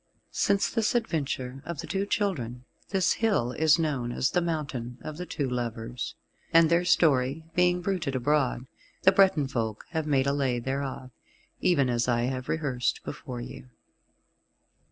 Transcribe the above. Since this adventure of the Two Children this hill is known as the Mountain of the Two Lovers, and their story being bruited abroad, the Breton folk have made a Lay thereof, even as I have rehearsed before you.